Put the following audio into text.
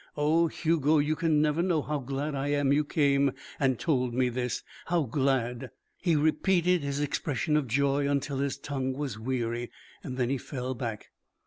Oh, Hugo, you can never know how glad I am you came and told me this. How glad." He repeated his expression of joy until his tongue was weary; then he fell back.